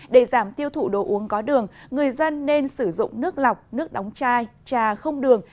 để giảm tiêu thụ đồ uống có đường người dân nên sử dụng nước lọc nước đóng chai trà không đường